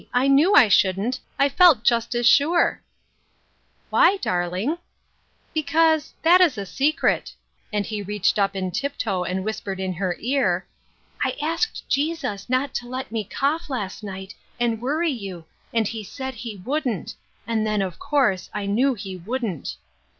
I knew I shouldn't; I felt just as sure !" Why, darling ?" "Because — that is a secret;" and he reached up on tiptoe and whispered in her ear :" I asked Jesus not to let me cough last night, and worry you, and he said he wouldn't ; and then, of course, I knew he wouldn't."